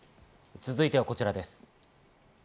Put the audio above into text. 続いてはこちらです。